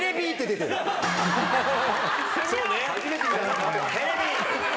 そうね。